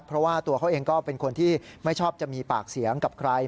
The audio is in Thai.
เพราะว่าตัวเขาเองก็เป็นคนที่ไม่ชอบจะมีปากเสียงกับใคร